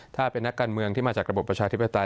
ถ้าเป็นนักการเมืองที่มาจากระบบประชาธิปไตย